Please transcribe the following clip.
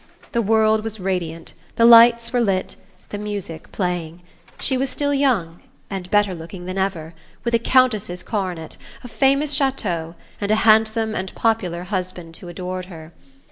The world was radiant, the lights were lit, the music playing; she was still young, and better looking than ever, with a Countess's coronet, a famous chateau and a handsome and popular husband who adored her.